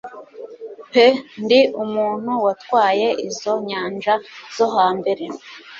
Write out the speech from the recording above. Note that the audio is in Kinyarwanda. pe Ndi umuntu watwaye izo nyanja zo hambere